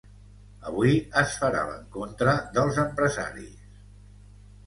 Avui es farà l’encontre dels empresaris.